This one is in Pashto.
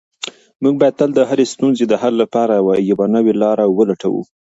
موږ باید تل د هرې ستونزې د حل لپاره یوه نوې لاره ولټوو.